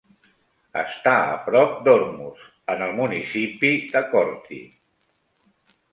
Està a prop d'Ormos, en el municipi de Korthi.